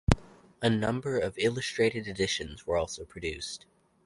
A number of illustrated editions were also produced.